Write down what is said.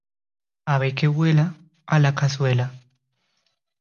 Ave que vuela, a la cazuela